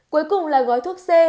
cuối cùng là gói thuốc c